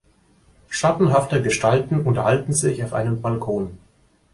Schattenhafte Gestalten unterhalten sich auf einem Balkon.